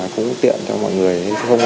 cũng tiện cho mọi người